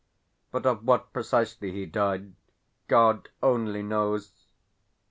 But of what precisely he died God only knows.